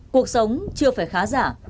cuộc sống chưa phải khá giả